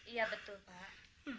iya betul pak